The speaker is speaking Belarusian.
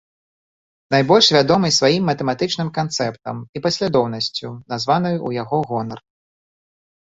Найбольш вядомы сваім матэматычным канцэптам, і паслядоўнасцю, названай у яго гонар.